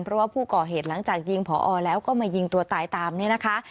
เพราะว่าผู้ก่อเหตุหลังจากยิงผอแล้วก็มายิงตัวตายตามเนี่ยนะคะ